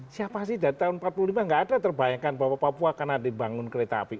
siapa sih dari tahun empat puluh lima tidak ada yang terbayangkan bahwa papua akan ada yang bangun kereta api